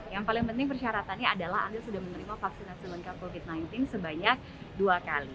yang paling penting persyaratannya adalah anda sudah menerima vaksinasi lengkap covid sembilan belas sebanyak dua kali